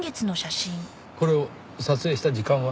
これを撮影した時間は？